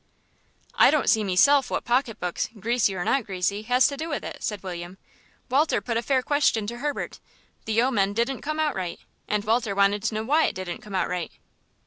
"I don't see meself what pocket books, greasy or not greasy, has to do with it," said William. "Walter put a fair question to Herbert. The omen didn't come out right, and Walter wanted to know why it didn't come out right."